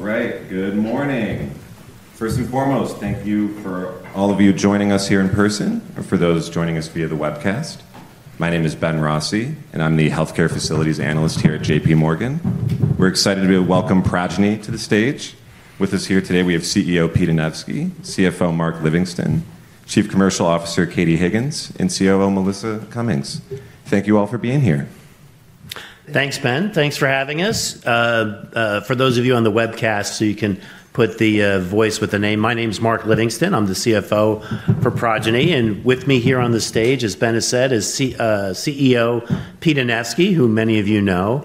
All right, good morning. First and foremost, thank you for all of you joining us here in person, or for those joining us via the webcast. My name is Ben Rossi, and I'm the Healthcare Facilities Analyst here at J.P. Morgan. We're excited to welcome Progyny to the stage. With us here today, we have CEO Pete Anevski, CFO Mark Livingston, Chief Commercial Officer Katie Higgins, and COO Melissa Cummings. Thank you all for being here. Thanks, Ben. Thanks for having us. For those of you on the webcast, so you can put the voice with the name, my name is Mark Livingston. I'm the CFO for Progyny. And with me here on the stage, as Ben has said, is CEO Pete Anevski, who many of you know.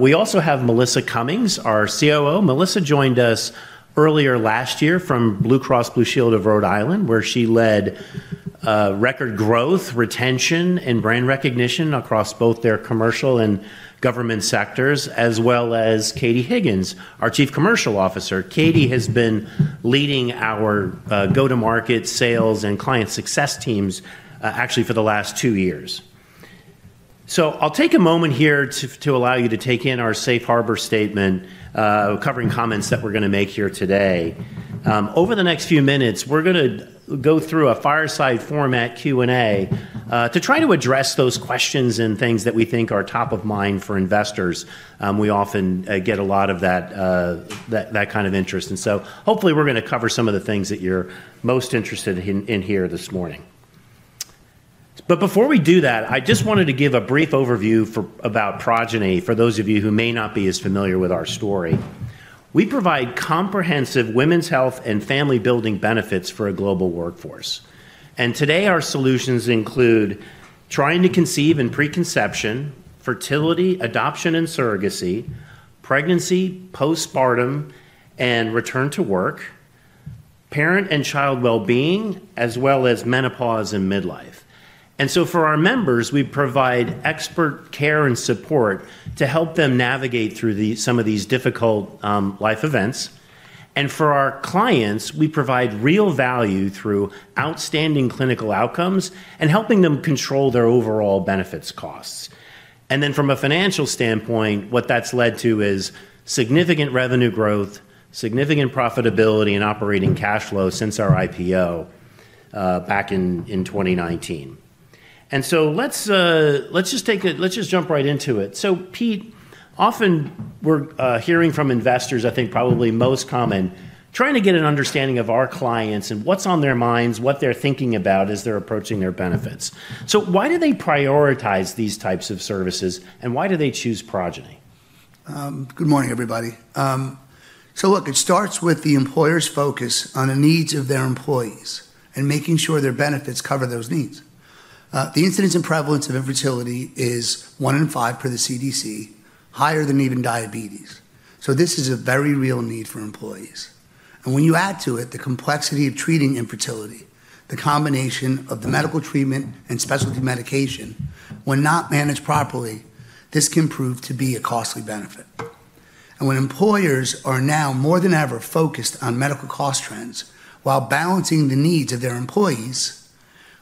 We also have Melissa Cummings, our COO. Melissa joined us earlier last year from Blue Cross & Blue Shield of Rhode Island, where she led record growth, retention, and brand recognition across both their commercial and government sectors, as well as Katie Higgins, our Chief Commercial Officer. Katie has been leading our go-to-market, sales, and client success teams, actually, for the last two years. So I'll take a moment here to allow you to take in our safe harbor statement covering comments that we're going to make here today. Over the next few minutes, we're going to go through a fireside format Q&A to try to address those questions and things that we think are top of mind for investors. We often get a lot of that kind of interest. And so hopefully, we're going to cover some of the things that you're most interested in here this morning. But before we do that, I just wanted to give a brief overview about Progyny for those of you who may not be as familiar with our story. We provide comprehensive women's health and family-building benefits for a global workforce. And today, our solutions include trying to conceive and preconception, fertility, adoption and surrogacy, pregnancy, postpartum, and return to work, parent and child well-being, as well as menopause and midlife. And so for our members, we provide expert care and support to help them navigate through some of these difficult life events. And for our clients, we provide real value through outstanding clinical outcomes and helping them control their overall benefits costs. And then from a financial standpoint, what that's led to is significant revenue growth, significant profitability, and operating cash flow since our IPO back in 2019. And so let's just jump right into it. So Pete, often we're hearing from investors, I think probably most common, trying to get an understanding of our clients and what's on their minds, what they're thinking about as they're approaching their benefits. So why do they prioritize these types of services, and why do they choose Progyny? Good morning, everybody. So look, it starts with the employer's focus on the needs of their employees and making sure their benefits cover those needs. The incidence and prevalence of infertility is one in five per the CDC, higher than even diabetes. So this is a very real need for employees. And when you add to it the complexity of treating infertility, the combination of the medical treatment and specialty medication, when not managed properly, this can prove to be a costly benefit. And when employers are now more than ever focused on medical cost trends while balancing the needs of their employees,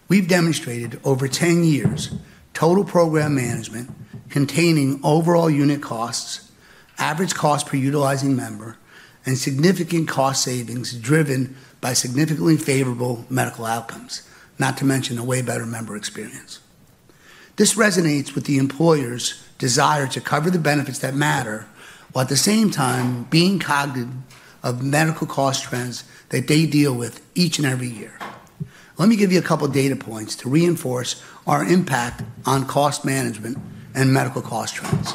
we've demonstrated over 10 years total program management containing overall unit costs, average cost per utilizing member, and significant cost savings driven by significantly favorable medical outcomes, not to mention a way better member experience. This resonates with the employer's desire to cover the benefits that matter while at the same time being cognizant of medical cost trends that they deal with each and every year. Let me give you a couple of data points to reinforce our impact on cost management and medical cost trends.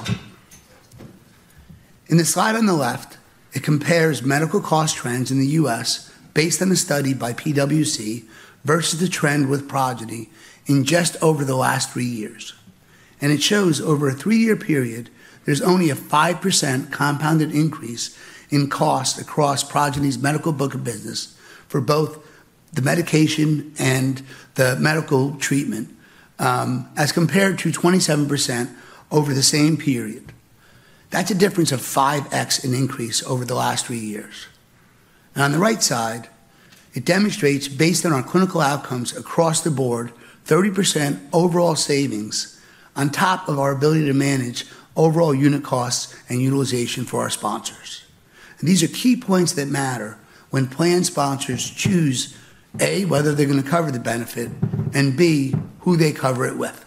In the slide on the left, it compares medical cost trends in the U.S. based on a study by PwC versus the trend with Progyny in just over the last three years, and it shows over a three-year period, there's only a 5% compounded increase in cost across Progyny's medical book of business for both the medication and the medical treatment, as compared to 27% over the same period. That's a difference of 5x in increase over the last three years. And on the right side, it demonstrates, based on our clinical outcomes across the board, 30% overall savings on top of our ability to manage overall unit costs and utilization for our sponsors. These are key points that matter when plan sponsors choose, A, whether they're going to cover the benefit, and B, who they cover it with.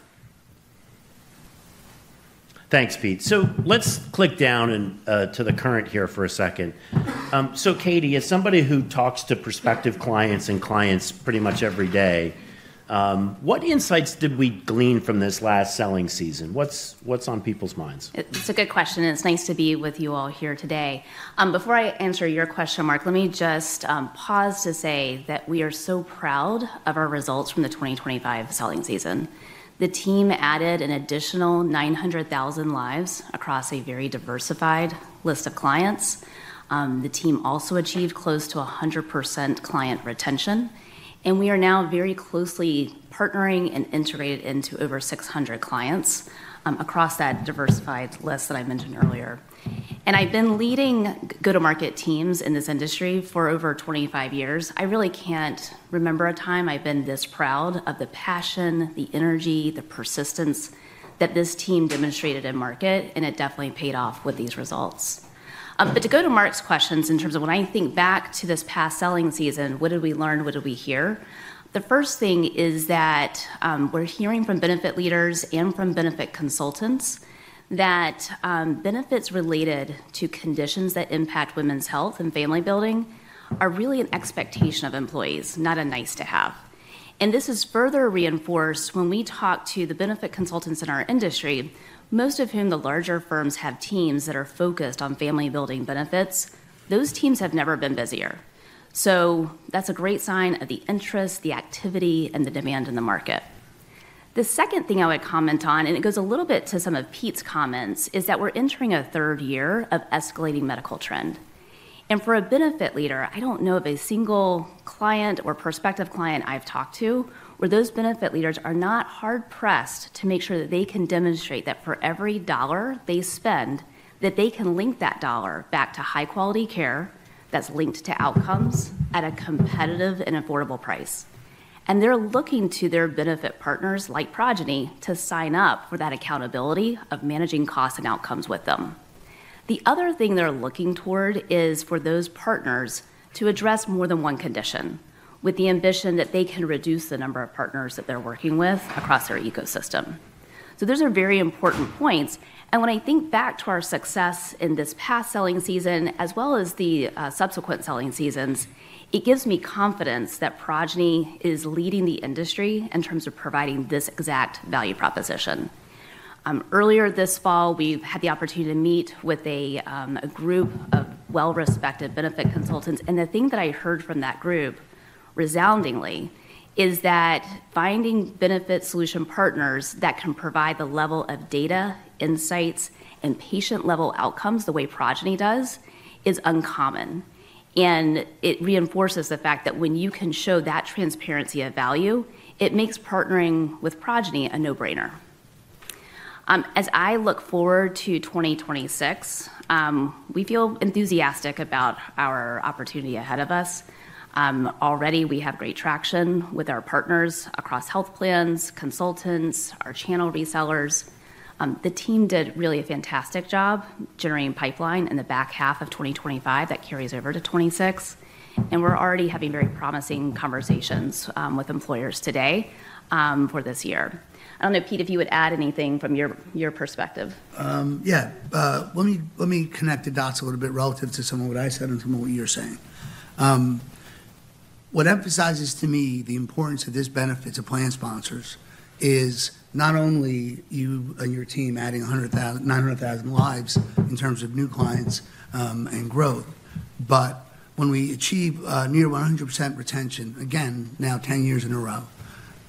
Thanks, Pete. So let's click down to the current here for a second. So Katie, as somebody who talks to prospective clients and clients pretty much every day, what insights did we glean from this last selling season? What's on people's minds? It's a good question, and it's nice to be with you all here today. Before I answer your question, Mark, let me just pause to say that we are so proud of our results from the 2025 selling season. The team added an additional 900,000 lives across a very diversified list of clients. The team also achieved close to 100% client retention. And we are now very closely partnering and integrated into over 600 clients across that diversified list that I mentioned earlier. And I've been leading go-to-market teams in this industry for over 25 years. I really can't remember a time I've been this proud of the passion, the energy, the persistence that this team demonstrated in market, and it definitely paid off with these results. But to go to Mark's questions in terms of when I think back to this past selling season, what did we learn? What did we hear? The first thing is that we're hearing from benefit leaders and from benefit consultants that benefits related to conditions that impact women's health and family building are really an expectation of employees, not a nice-to-have. And this is further reinforced when we talk to the benefit consultants in our industry, most of whom the larger firms have teams that are focused on family-building benefits. Those teams have never been busier. So that's a great sign of the interest, the activity, and the demand in the market. The second thing I would comment on, and it goes a little bit to some of Pete's comments, is that we're entering a third year of escalating medical trend. For a benefit leader, I don't know of a single client or prospective client I've talked to where those benefit leaders are not hard-pressed to make sure that they can demonstrate that for every dollar they spend, that they can link that dollar back to high-quality care that's linked to outcomes at a competitive and affordable price. They're looking to their benefit partners like Progyny to sign up for that accountability of managing costs and outcomes with them. The other thing they're looking toward is for those partners to address more than one condition with the ambition that they can reduce the number of partners that they're working with across their ecosystem. Those are very important points. And when I think back to our success in this past selling season, as well as the subsequent selling seasons, it gives me confidence that Progyny is leading the industry in terms of providing this exact value proposition. Earlier this fall, we've had the opportunity to meet with a group of well-respected benefit consultants. And the thing that I heard from that group resoundingly is that finding benefit solution partners that can provide the level of data, insights, and patient-level outcomes the way Progyny does is uncommon. And it reinforces the fact that when you can show that transparency of value, it makes partnering with Progyny a no-brainer. As I look forward to 2026, we feel enthusiastic about our opportunity ahead of us. Already, we have great traction with our partners across health plans, consultants, our channel resellers. The team did really a fantastic job generating pipeline in the back half of 2025 that carries over to 2026. And we're already having very promising conversations with employers today for this year. I don't know, Pete, if you would add anything from your perspective. Yeah. Let me connect the dots a little bit relative to some of what I said and some of what you're saying. What emphasizes to me the importance of this benefit to plan sponsors is not only you and your team adding 900,000 lives in terms of new clients and growth, but when we achieve near 100% retention, again, now 10 years in a row.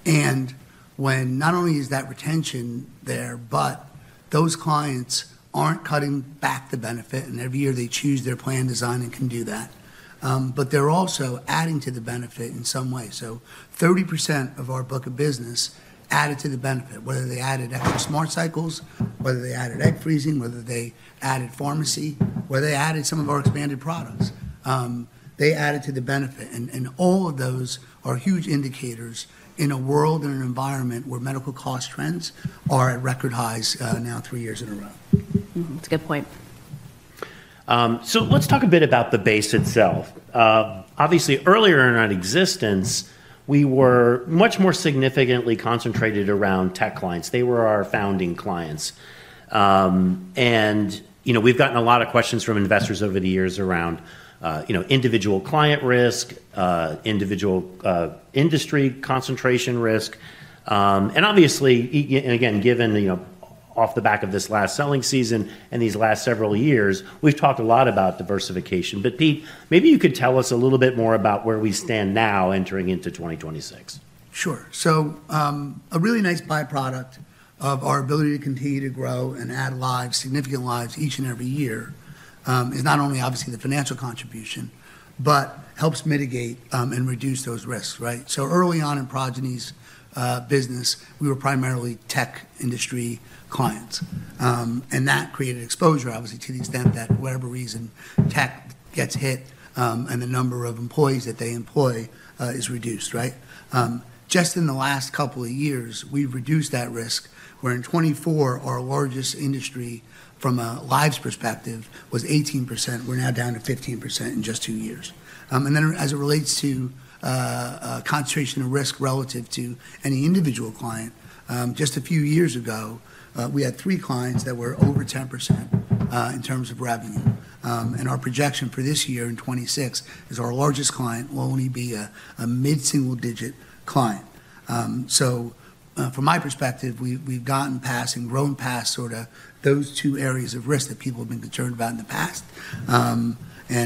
Not only is that retention there, but those clients aren't cutting back the benefit, and every year they choose their plan design and can do that. But they're also adding to the benefit in some way. So 30% of our book of business added to the benefit, whether they added extra Smart Cycles, whether they added egg freezing, whether they added pharmacy, whether they added some of our expanded products. They added to the benefit. All of those are huge indicators in a world and an environment where medical cost trends are at record highs now three years in a row. That's a good point. So let's talk a bit about the base itself. Obviously, earlier in our existence, we were much more significantly concentrated around tech clients. They were our founding clients. And we've gotten a lot of questions from investors over the years around individual client risk, individual industry concentration risk. And obviously, again, given off the back of this last selling season and these last several years, we've talked a lot about diversification. But Pete, maybe you could tell us a little bit more about where we stand now entering into 2026. Sure. So a really nice byproduct of our ability to continue to grow and add significant lives each and every year is not only obviously the financial contribution, but helps mitigate and reduce those risks. So early on in Progyny's business, we were primarily tech industry clients. And that created exposure, obviously, to the extent that whatever reason tech gets hit and the number of employees that they employ is reduced. Just in the last couple of years, we've reduced that risk where in 2024, our largest industry from a lives perspective was 18%. We're now down to 15% in just two years. And then as it relates to concentration of risk relative to any individual client, just a few years ago, we had three clients that were over 10% in terms of revenue. And our projection for this year in 2026 is our largest client will only be a mid-single-digit client. So from my perspective, we've gotten past and grown past sort of those two areas of risk that people have been concerned about in the past. And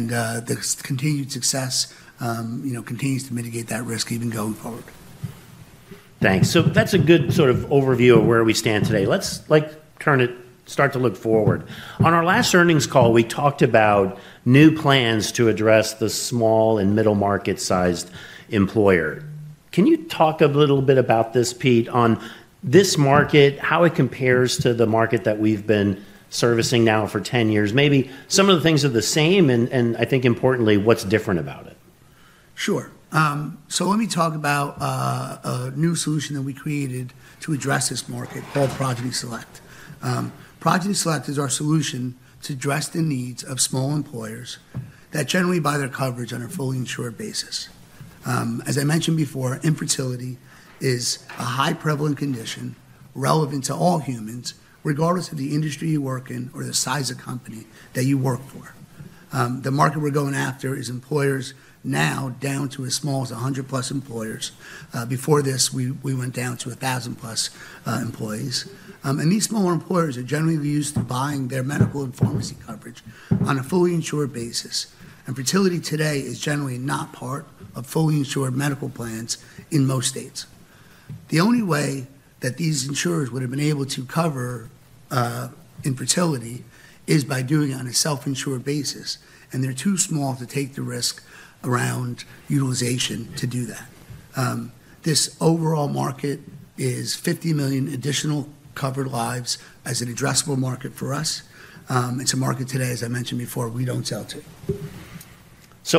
the continued success continues to mitigate that risk even going forward. Thanks. So that's a good sort of overview of where we stand today. Let's turn to start to look forward. On our last earnings call, we talked about new plans to address the small and middle-market-sized employer. Can you talk a little bit about this, Pete, on this market, how it compares to the market that we've been servicing now for 10 years? Maybe some of the things are the same, and I think importantly, what's different about it? Sure. So let me talk about a new solution that we created to address this market called Progyny Select. Progyny Select is our solution to address the needs of small employers that generally buy their coverage on a fully insured basis. As I mentioned before, infertility is a highly prevalent condition relevant to all humans, regardless of the industry you work in or the size of company that you work for. The market we're going after is employers now down to as small as 100+ employers. Before this, we went down to 1,000+ employees. And these smaller employers are generally used to buying their medical and pharmacy coverage on a fully insured basis. And fertility today is generally not part of fully insured medical plans in most states. The only way that these insurers would have been able to cover infertility is by doing it on a self-insured basis. They're too small to take the risk around utilization to do that. This overall market is 50 million additional covered lives as an addressable market for us. It's a market today, as I mentioned before, we don't sell to.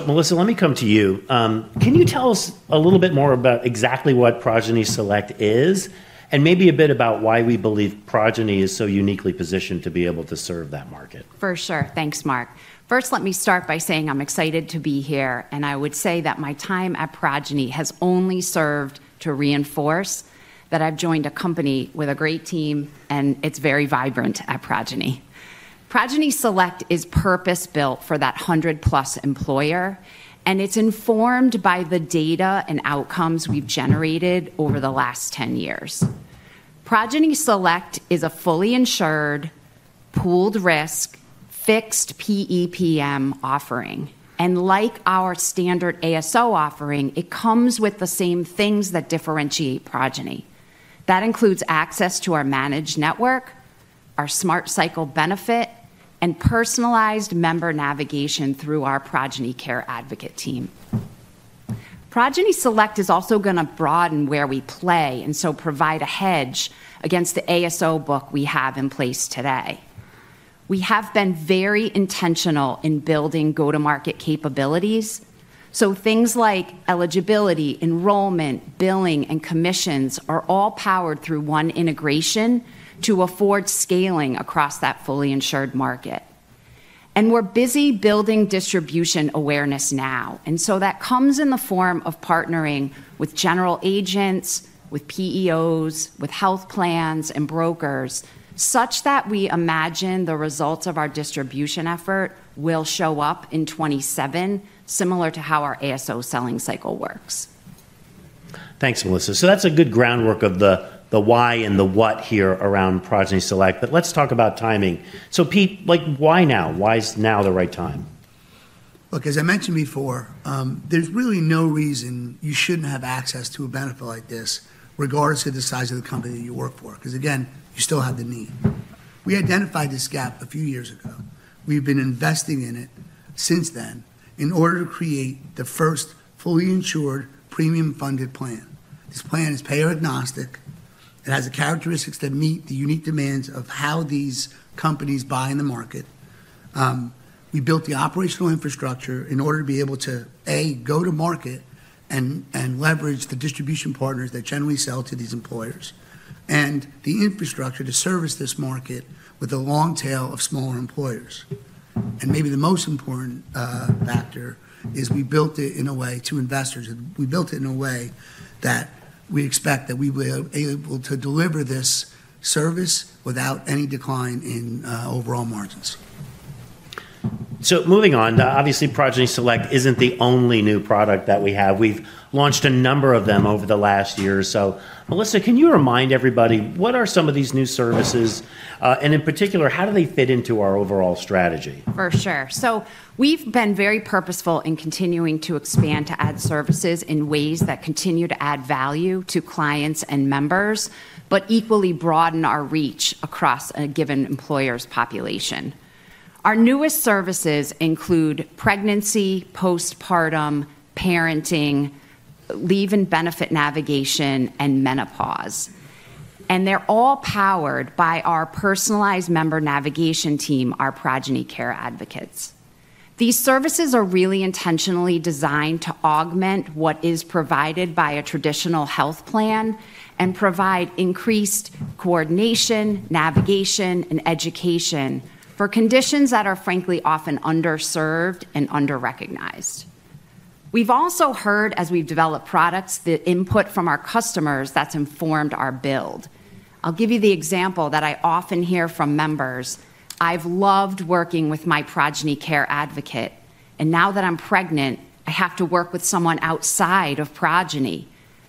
Melissa, let me come to you. Can you tell us a little bit more about exactly what Progyny Select is and maybe a bit about why we believe Progyny is so uniquely positioned to be able to serve that market? For sure. Thanks, Mark. First, let me start by saying I'm excited to be here, and I would say that my time at Progyny has only served to reinforce that I've joined a company with a great team, and it's very vibrant at Progyny. Progyny Select is purpose-built for that 100+ employer, and it's informed by the data and outcomes we've generated over the last 10 years. Progyny Select is a fully insured, pooled risk, fixed PEPM offering, and like our standard ASO offering, it comes with the same things that differentiate Progyny. That includes access to our managed network, our Smart Cycle benefit, and personalized member navigation through our Progyny Care Advocate team. Progyny Select is also going to broaden where we play and so provide a hedge against the ASO book we have in place today. We have been very intentional in building go-to-market capabilities. So things like eligibility, enrollment, billing, and commissions are all powered through one integration to afford scaling across that fully insured market. And we're busy building distribution awareness now. And so that comes in the form of partnering with general agents, with PEOs, with health plans and brokers such that we imagine the results of our distribution effort will show up in 2027, similar to how our ASO selling cycle works. Thanks, Melissa. So that's a good groundwork of the why and the what here around Progyny Select. But let's talk about timing. So Pete, why now? Why is now the right time? Look, as I mentioned before, there's really no reason you shouldn't have access to a benefit like this regardless of the size of the company that you work for because, again, you still have the need. We identified this gap a few years ago. We've been investing in it since then in order to create the first fully insured premium-funded plan. This plan is payer-agnostic. It has the characteristics that meet the unique demands of how these companies buy in the market. We built the operational infrastructure in order to be able to, A, go to market and leverage the distribution partners that generally sell to these employers, and the infrastructure to service this market with a long tail of smaller employers. And maybe the most important factor is we built it in a way to investors. We built it in a way that we expect that we will be able to deliver this service without any decline in overall margins. So moving on, obviously, Progyny Select isn't the only new product that we have. We've launched a number of them over the last year. So Melissa, can you remind everybody what are some of these new services? And in particular, how do they fit into our overall strategy? For sure. So we've been very purposeful in continuing to expand to add services in ways that continue to add value to clients and members, but equally broaden our reach across a given employer's population. Our newest services include pregnancy, postpartum, parenting, Leave and Benefit Navigation, and menopause. And they're all powered by our personalized member navigation team, our Progyny Care Advocates. These services are really intentionally designed to augment what is provided by a traditional health plan and provide increased coordination, navigation, and education for conditions that are frankly often underserved and under-recognized. We've also heard as we've developed products the input from our customers that's informed our build. I'll give you the example that I often hear from members. I've loved working with my Progyny Care Advocate. And now that I'm pregnant, I have to work with someone outside of Progyny.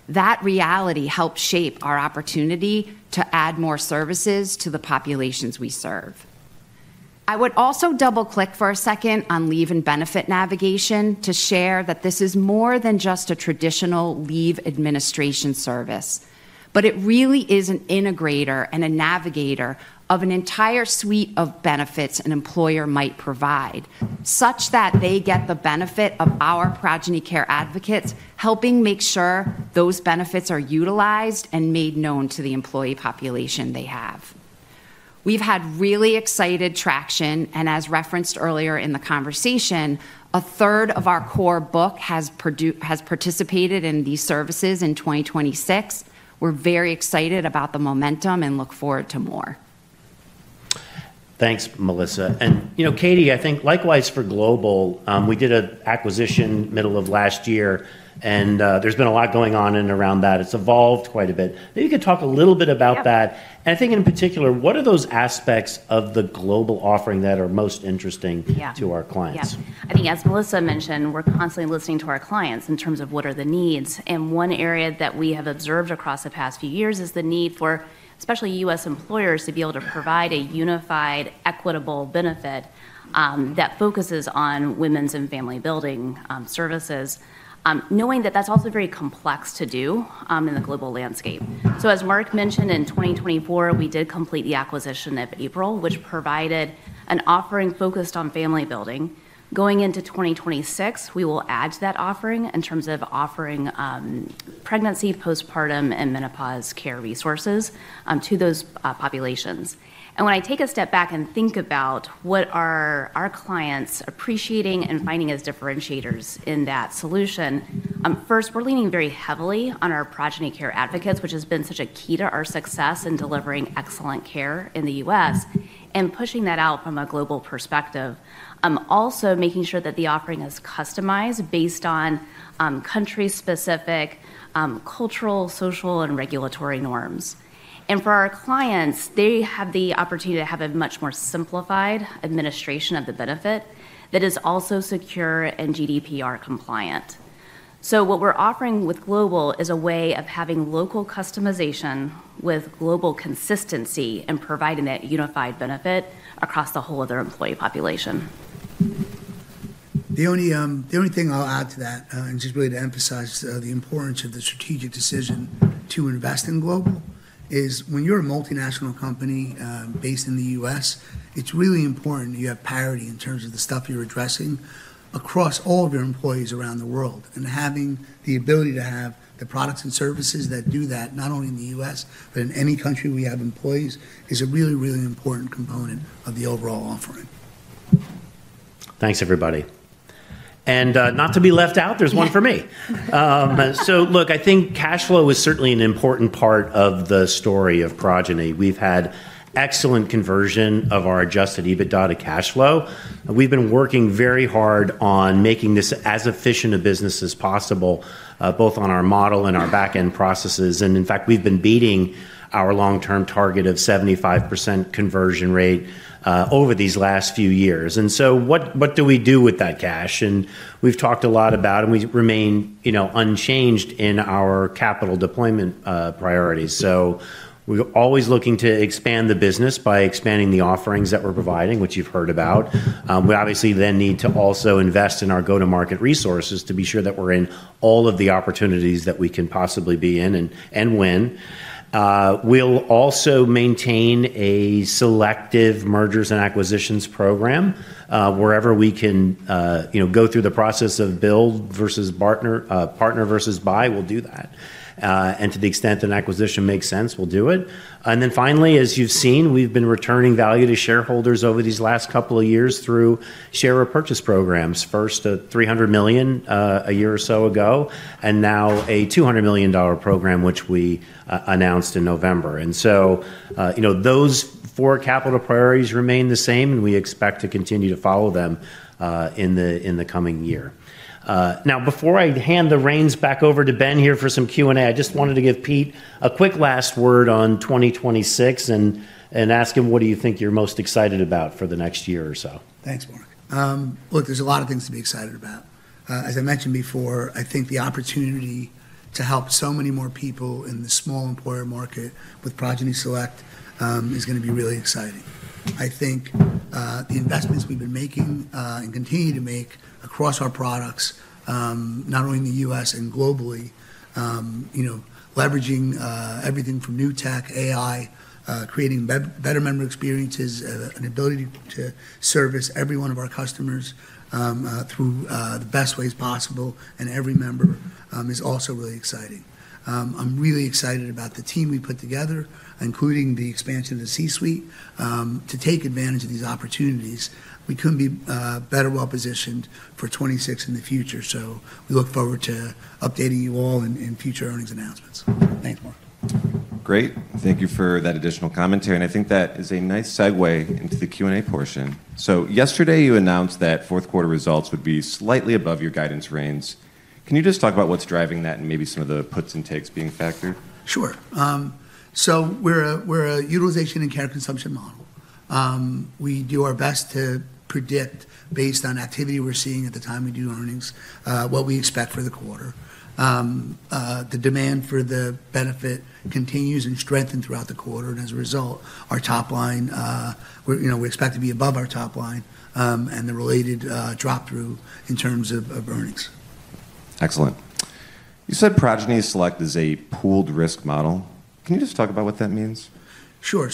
That reality helps shape our opportunity to add more services to the populations we serve. I would also double-click for a second on Leave and Benefit Navigation to share that this is more than just a traditional leave administration service, but it really is an integrator and a navigator of an entire suite of benefits an employer might provide such that they get the benefit of our Progyny Care Advocates helping make sure those benefits are utilized and made known to the employee population they have. We've had really excited traction, and as referenced earlier in the conversation, a third of our core book has participated in these services in 2026. We're very excited about the momentum and look forward to more. Thanks, Melissa. And Katie, I think likewise for Global, we did an acquisition middle of last year. And there's been a lot going on and around that. It's evolved quite a bit. Maybe you could talk a little bit about that. And I think in particular, what are those aspects of the Global offering that are most interesting to our clients? Yeah. I think as Melissa mentioned, we're constantly listening to our clients in terms of what are the needs. And one area that we have observed across the past few years is the need for especially U.S. employers to be able to provide a unified, equitable benefit that focuses on women's and family building services, knowing that that's also very complex to do in the Global landscape. So as Mark mentioned, in 2024, we did complete the acquisition of Apryl, which provided an offering focused on family building. Going into 2026, we will add to that offering in terms of offering pregnancy, postpartum, and menopause care resources to those populations. And when I take a step back and think about what our clients are appreciating and finding as differentiators in that solution, first, we're leaning very heavily on our Progyny Care Advocates, which has been such a key to our success in delivering excellent care in the U.S. and pushing that out from a global perspective, also making sure that the offering is customized based on country-specific cultural, social, and regulatory norms. And for our clients, they have the opportunity to have a much more simplified administration of the benefit that is also secure and GDPR-compliant. So what we're offering with Global is a way of having local customization with global consistency and providing that unified benefit across the whole of their employee population. The only thing I'll add to that, and just really to emphasize the importance of the strategic decision to invest in Global, is when you're a multinational company based in the U.S., it's really important you have parity in terms of the stuff you're addressing across all of your employees around the world. And having the ability to have the products and services that do that not only in the U.S., but in any country we have employees is a really, really important component of the overall offering. Thanks, everybody. Not to be left out, there's one for me. Look, I think cash flow is certainly an important part of the story of Progyny. We've had excellent conversion of our Adjusted EBITDA to cash flow. We've been working very hard on making this as efficient a business as possible, both on our model and our back-end processes. In fact, we've been beating our long-term target of 75% conversion rate over these last few years. What do we do with that cash? We've talked a lot about, and we remain unchanged in our capital deployment priorities. We're always looking to expand the business by expanding the offerings that we're providing, which you've heard about. We obviously then need to also invest in our go-to-market resources to be sure that we're in all of the opportunities that we can possibly be in and win. We'll also maintain a selective mergers and acquisitions program. Wherever we can go through the process of build versus partner versus buy, we'll do that. And to the extent an acquisition makes sense, we'll do it. And then finally, as you've seen, we've been returning value to shareholders over these last couple of years through share repurchase programs, first a $300 million a year or so ago, and now a $200 million program, which we announced in November. And so those four capital priorities remain the same, and we expect to continue to follow them in the coming year. Now, before I hand the reins back over to Ben here for some Q&A, I just wanted to give Pete a quick last word on 2026 and ask him what do you think you're most excited about for the next year or so. Thanks, Mark. Look, there's a lot of things to be excited about. As I mentioned before, I think the opportunity to help so many more people in the small employer market with Progyny Select is going to be really exciting. I think the investments we've been making and continue to make across our products, not only in the U.S. and globally, leveraging everything from new tech, AI, creating better member experiences, an ability to service every one of our customers through the best ways possible, and every member is also really exciting. I'm really excited about the team we put together, including the expansion of the C-suite, to take advantage of these opportunities. We couldn't be better well positioned for 2026 in the future. So we look forward to updating you all in future earnings announcements. Thanks, Mark. Great. Thank you for that additional commentary. And I think that is a nice segue into the Q&A portion. So yesterday, you announced that fourth quarter results would be slightly above your guidance range. Can you just talk about what's driving that and maybe some of the puts and takes being factored? Sure. So we're a utilization and care consumption model. We do our best to predict based on activity we're seeing at the time we do earnings, what we expect for the quarter. The demand for the benefit continues and strengthens throughout the quarter. And as a result, our top line, we expect to be above our top line and the related drop-through in terms of earnings. Excellent. You said Progyny Select is a pooled risk model. Can you just talk about what that means? Sure,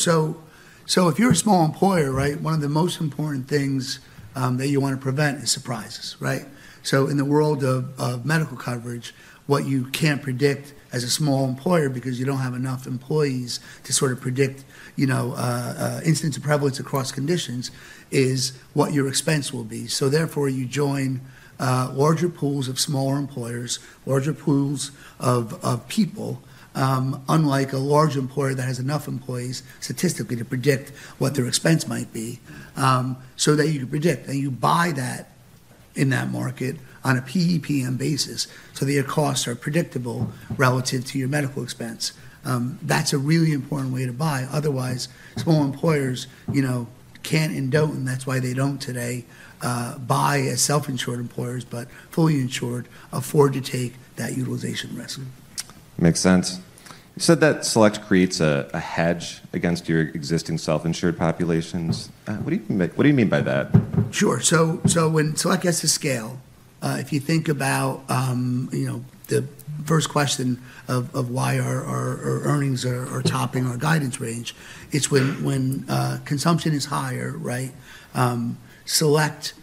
so if you're a small employer, one of the most important things that you want to prevent is surprises, so in the world of medical coverage, what you can't predict as a small employer because you don't have enough employees to sort of predict incidence of prevalence across conditions is what your expense will be, so therefore, you join larger pools of smaller employers, larger pools of people, unlike a large employer that has enough employees statistically to predict what their expense might be so that you can predict, and you buy that in that market on a PEPM basis so that your costs are predictable relative to your medical expense. That's a really important way to buy. Otherwise, small employers can't afford, and that's why they don't today buy as self-insured employers, but fully insured afford to take that utilization risk. Makes sense. You said that Select creates a hedge against your existing self-insured populations. What do you mean by that? Sure. So when Select gets to scale, if you think about the first question of why our earnings are topping our guidance range, it's when consumption is higher. Select,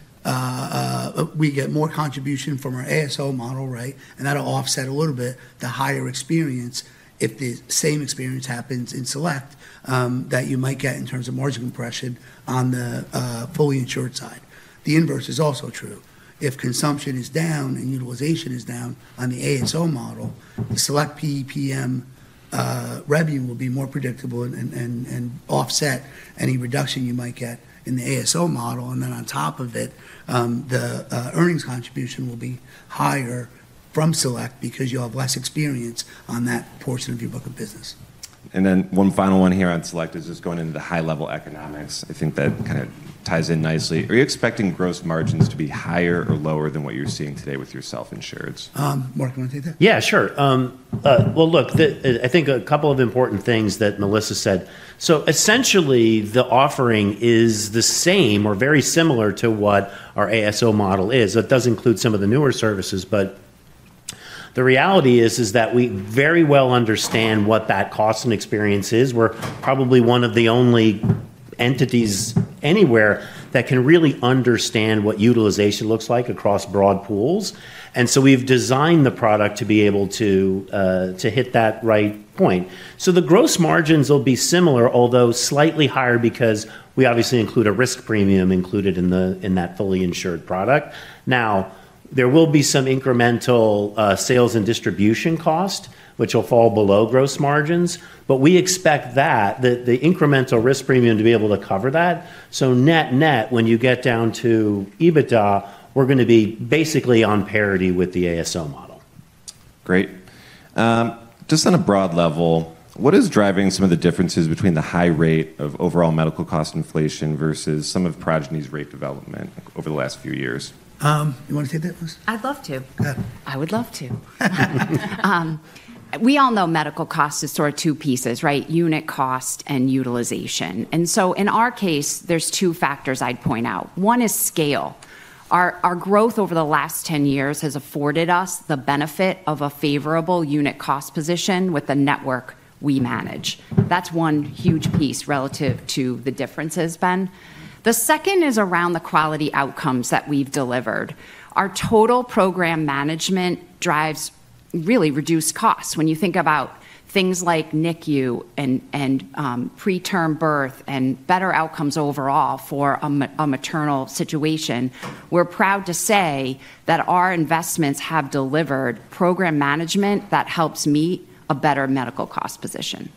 we get more contribution from our ASO model, and that'll offset a little bit the higher experience if the same experience happens in Select that you might get in terms of margin compression on the fully insured side. The inverse is also true. If consumption is down and utilization is down on the ASO model, the Select PEPM revenue will be more predictable and offset any reduction you might get in the ASO model. And then on top of it, the earnings contribution will be higher from Select because you'll have less experience on that portion of your book of business. And then one final one here on Select is just going into the high-level economics. I think that kind of ties in nicely. Are you expecting gross margins to be higher or lower than what you're seeing today with your self-insureds? Mark, do you want to take that? Yeah, sure. Well, look, I think a couple of important things that Melissa said. So essentially, the offering is the same or very similar to what our ASO model is. It does include some of the newer services. But the reality is that we very well understand what that cost and experience is. We're probably one of the only entities anywhere that can really understand what utilization looks like across broad pools. And so we've designed the product to be able to hit that right point. So the gross margins will be similar, although slightly higher because we obviously include a risk premium included in that fully insured product. Now, there will be some incremental sales and distribution cost, which will fall below gross margins. But we expect that, the incremental risk premium to be able to cover that. So net-net, when you get down to EBITDA, we're going to be basically on parity with the ASO model. Great. Just on a broad level, what is driving some of the differences between the high rate of overall medical cost inflation versus some of Progyny's rate development over the last few years? You want to take that, Melissa? I'd love to. I would love to. We all know medical cost is sort of two pieces, unit cost and utilization. And so in our case, there's two factors I'd point out. One is scale. Our growth over the last 10 years has afforded us the benefit of a favorable unit cost position with the network we manage. That's one huge piece relative to the differences, Ben. The second is around the quality outcomes that we've delivered. Our total program management drives really reduced costs. When you think about things like NICU and preterm birth and better outcomes overall for a maternal situation, we're proud to say that our investments have delivered program management that helps meet a better medical cost position.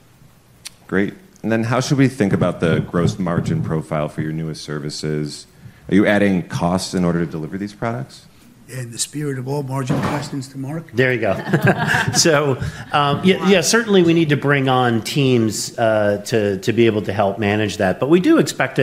Great. And then how should we think about the gross margin profile for your newest services? Are you adding costs in order to deliver these products? Yeah, in the spirit of old margin questions to Mark. There you go. So yeah, certainly we need to bring on teams to be able to help manage that. But we do expect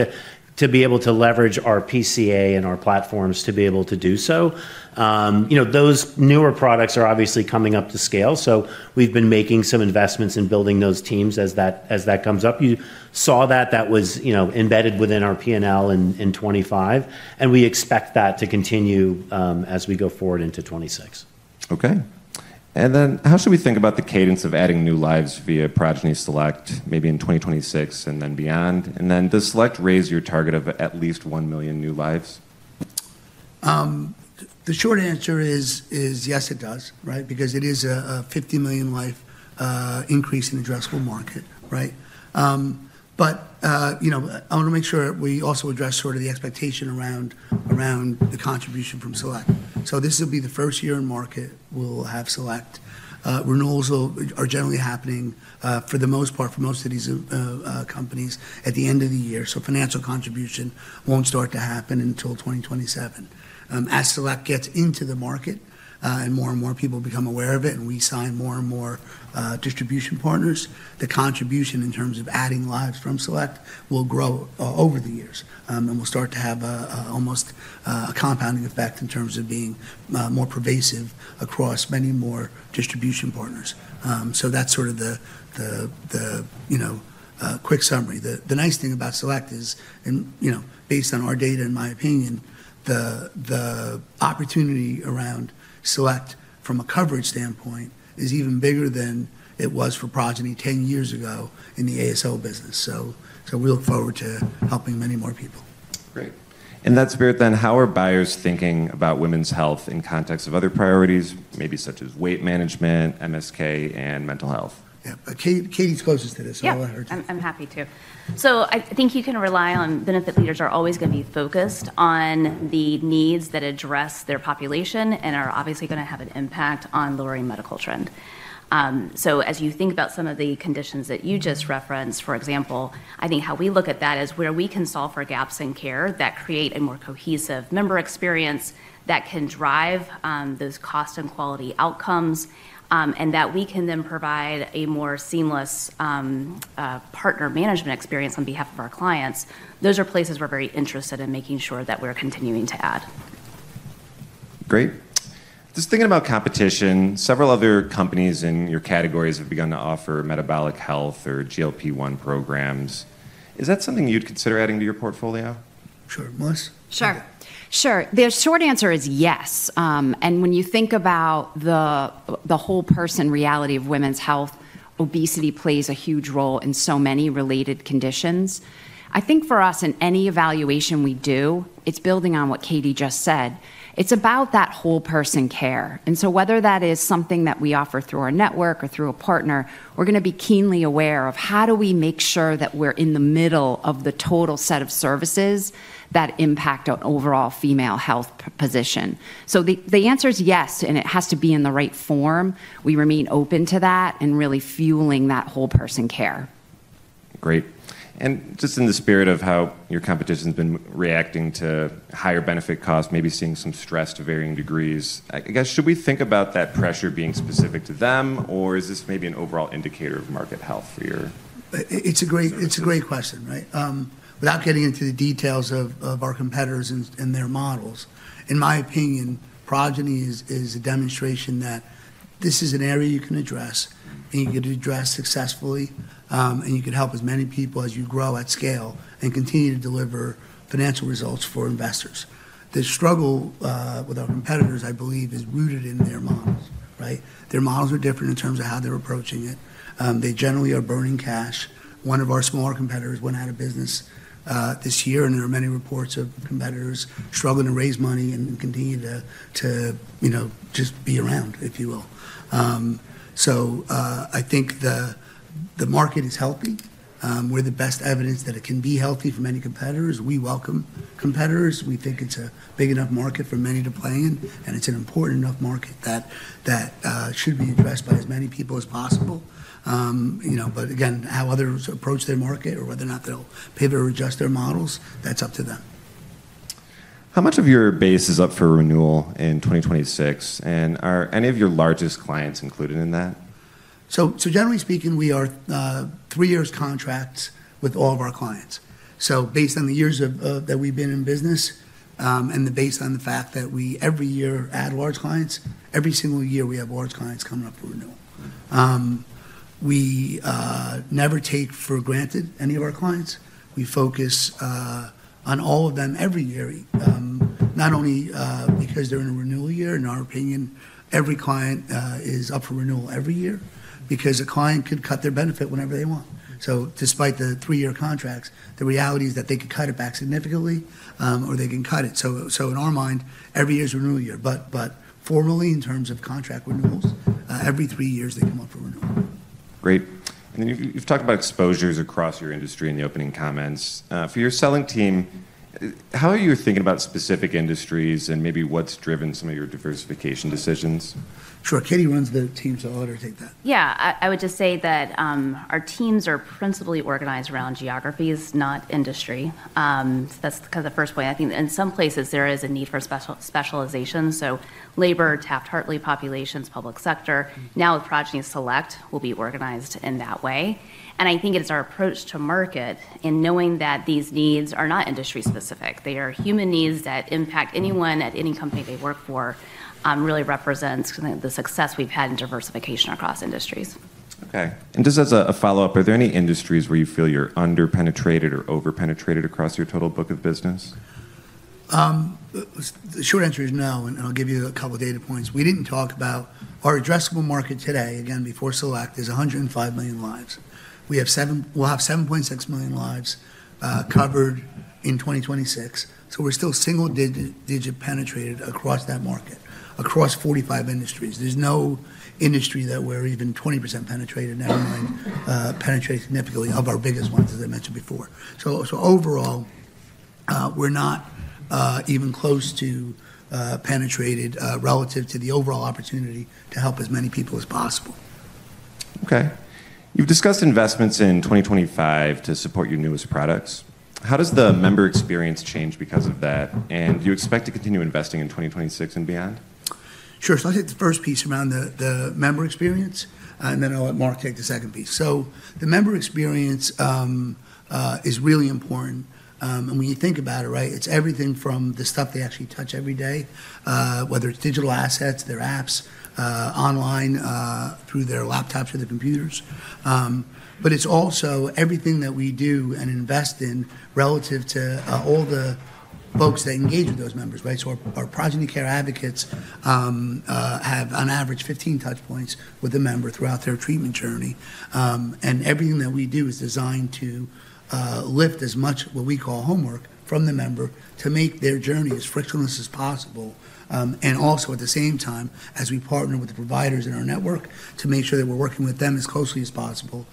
to be able to leverage our PCA and our platforms to be able to do so. Those newer products are obviously coming up to scale. So we've been making some investments in building those teams as that comes up. You saw that. That was embedded within our P&L in 2025. And we expect that to continue as we go forward into 2026. Okay. And then how should we think about the cadence of adding new lives via Progyny Select, maybe in 2026 and then beyond? And then does Select raise your target of at least 1 million new lives? The short answer is yes, it does, because it is a 50 million lives increase in addressable market. But I want to make sure we also address sort of the expectation around the contribution from Select. So this will be the first year in market. We'll have Select. Renewals are generally happening for the most part for most of these companies at the end of the year. So financial contribution won't start to happen until 2027. As Select gets into the market and more and more people become aware of it and we sign more and more distribution partners, the contribution in terms of adding lives from Select will grow over the years. And we'll start to have almost a compounding effect in terms of being more pervasive across many more distribution partners. So that's sort of the quick summary. The nice thing about Select is, based on our data, in my opinion, the opportunity around Select from a coverage standpoint is even bigger than it was for Progyny 10 years ago in the ASO business. So we look forward to helping many more people. Great. And that's the spirit then. How are buyers thinking about women's health in context of other priorities, maybe such as weight management, MSK, and mental health? Yeah, Katie's closest to this, so I'll let her take it. Yeah, I'm happy to. So I think you can rely on benefit leaders are always going to be focused on the needs that address their population and are obviously going to have an impact on lowering medical trend. So as you think about some of the conditions that you just referenced, for example, I think how we look at that is where we can solve for gaps in care that create a more cohesive member experience that can drive those cost and quality outcomes and that we can then provide a more seamless partner management experience on behalf of our clients. Those are places we're very interested in making sure that we're continuing to add. Great. Just thinking about competition, several other companies in your categories have begun to offer metabolic health or GLP-1 programs. Is that something you'd consider adding to your portfolio? Sure, Melissa. Sure. Sure. The short answer is yes. And when you think about the whole person reality of women's health, obesity plays a huge role in so many related conditions. I think for us, in any evaluation we do, it's building on what Katie just said. It's about that whole person care. And so whether that is something that we offer through our network or through a partner, we're going to be keenly aware of how do we make sure that we're in the middle of the total set of services that impact an overall female health position. So the answer is yes, and it has to be in the right form. We remain open to that and really fueling that whole person care. Great. And just in the spirit of how your competition has been reacting to higher benefit cost, maybe seeing some stress to varying degrees, I guess, should we think about that pressure being specific to them, or is this maybe an overall indicator of market health for your? It's a great question. Without getting into the details of our competitors and their models, in my opinion, Progyny is a demonstration that this is an area you can address, and you can address successfully, and you can help as many people as you grow at scale and continue to deliver financial results for investors. The struggle with our competitors, I believe, is rooted in their models. Their models are different in terms of how they're approaching it. They generally are burning cash. One of our smaller competitors went out of business this year, and there are many reports of competitors struggling to raise money and continue to just be around, if you will. So I think the market is healthy. We're the best evidence that it can be healthy for many competitors. We welcome competitors. We think it's a big enough market for many to play in, and it's an important enough market that should be addressed by as many people as possible. But again, how others approach their market or whether or not they'll pivot or adjust their models, that's up to them. How much of your base is up for renewal in 2026, and are any of your largest clients included in that? So, generally speaking, we are three-year contracts with all of our clients. So, based on the years that we've been in business and based on the fact that we every year add large clients, every single year we have large clients coming up for renewal. We never take for granted any of our clients. We focus on all of them every year, not only because they're in a renewal year. In our opinion, every client is up for renewal every year because a client could cut their benefit whenever they want. So, despite the three-year contracts, the reality is that they could cut it back significantly or they can cut it. So, in our mind, every year is a renewal year. But formally, in terms of contract renewals, every three years they come up for renewal. Great, and then you've talked about exposures across your industry in the opening comments. For your selling team, how are you thinking about specific industries and maybe what's driven some of your diversification decisions? Sure. Katie runs the team, so I'll let her take that. Yeah. I would just say that our teams are principally organized around geographies, not industry. That's kind of the first point. I think in some places there is a need for specialization. So labor, Taft-Hartley populations, public sector. Now with Progyny Select, we'll be organized in that way. And I think it's our approach to market in knowing that these needs are not industry specific. They are human needs that impact anyone at any company they work for really represents the success we've had in diversification across industries. Okay. And just as a follow-up, are there any industries where you feel you're underpenetrated or overpenetrated across your total book of business? The short answer is no, and I'll give you a couple of data points. We didn't talk about our addressable market today, again, before Select is 105 million lives. We'll have 7.6 million lives covered in 2026, so we're still single-digit penetrated across that market, across 45 industries. There's no industry that we're even 20% penetrated, and never mind penetrated significantly of our biggest ones, as I mentioned before, so overall, we're not even close to penetrated relative to the overall opportunity to help as many people as possible. Okay. You've discussed investments in 2025 to support your newest products. How does the member experience change because of that? And do you expect to continue investing in 2026 and beyond? Sure. So I'll take the first piece around the member experience, and then I'll let Mark take the second piece. So the member experience is really important. And when you think about it, it's everything from the stuff they actually touch every day, whether it's digital assets, their apps, online through their laptops or their computers. But it's also everything that we do and invest in relative to all the folks that engage with those members. So our Progyny Care Advocates have, on average, 15 touchpoints with a member throughout their treatment journey. And everything that we do is designed to lift as much what we call homework from the member to make their journey as frictionless as possible. And also, at the same time, as we partner with the providers in our network to make sure that we're working with them as closely as possible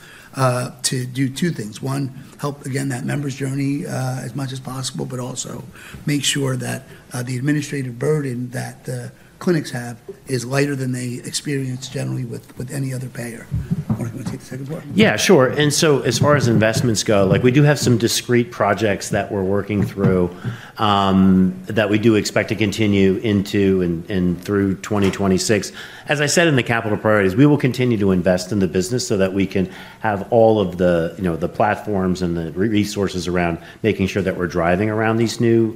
to do two things. One, help again that member's journey as much as possible, but also make sure that the administrative burden that the clinics have is lighter than they experience generally with any other payer. Mark, want to take the second part? Yeah, sure. And so as far as investments go, we do have some discrete projects that we're working through that we do expect to continue into and through 2026. As I said in the capital priorities, we will continue to invest in the business so that we can have all of the platforms and the resources around making sure that we're driving around these new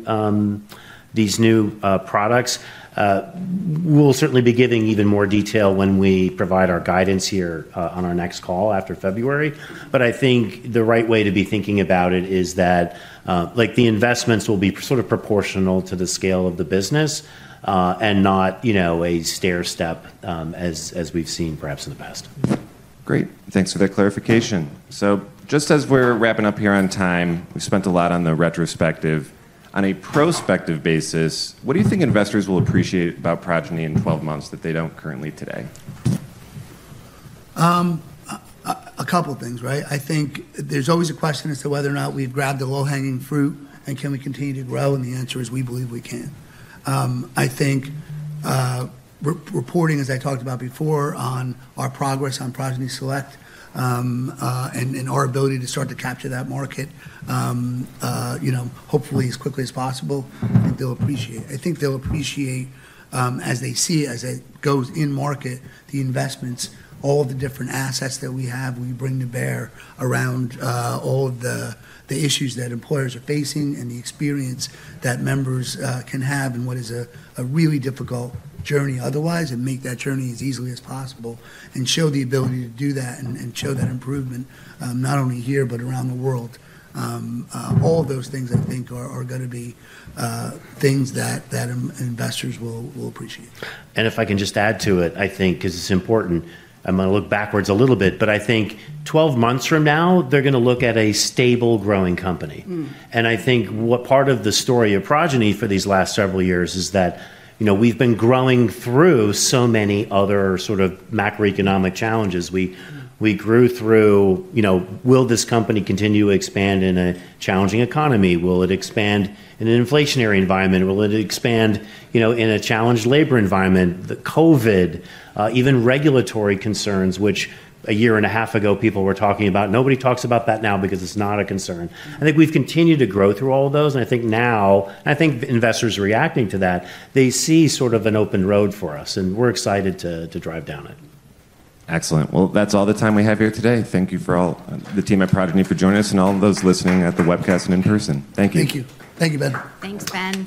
products. We'll certainly be giving even more detail when we provide our guidance here on our next call after February. But I think the right way to be thinking about it is that the investments will be sort of proportional to the scale of the business and not a stair step as we've seen perhaps in the past. Great. Thanks for that clarification. So just as we're wrapping up here on time, we've spent a lot on the retrospective. On a prospective basis, what do you think investors will appreciate about Progyny in 12 months that they don't currently today? A couple of things. I think there's always a question as to whether or not we've grabbed the low-hanging fruit and can we continue to grow. And the answer is we believe we can. I think reporting, as I talked about before, on our progress on Progyny Select and our ability to start to capture that market, hopefully as quickly as possible, I think they'll appreciate. I think they'll appreciate as they see as it goes in market, the investments, all the different assets that we have, we bring to bear around all of the issues that employers are facing and the experience that members can have and what is a really difficult journey otherwise and make that journey as easily as possible and show the ability to do that and show that improvement not only here, but around the world. All of those things, I think, are going to be things that investors will appreciate. If I can just add to it, I think, because it's important, I'm going to look backwards a little bit, but I think 12 months from now, they're going to look at a stable growing company. I think what part of the story of Progyny for these last several years is that we've been growing through so many other sort of macroeconomic challenges. We grew through, will this company continue to expand in a challenging economy? Will it expand in an inflationary environment? Will it expand in a challenged labor environment? The COVID, even regulatory concerns, which a year and a half ago, people were talking about. Nobody talks about that now because it's not a concern. I think we've continued to grow through all of those. I think now, I think investors are reacting to that. They see sort of an open road for us, and we're excited to drive down it. Excellent. Well, that's all the time we have here today. Thank you for all the team at Progyny for joining us and all of those listening at the webcast and in person. Thank you. Thank you. Thank you, Ben. Thanks, Ben.